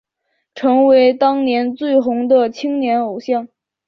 成为当年最红的青少年偶像。